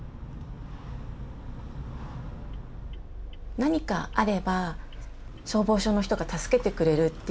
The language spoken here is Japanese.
何かあれば消防署の人が助けてくれるっていう。